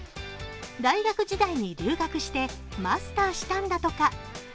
大学時代に留学してマスターしたんだとか。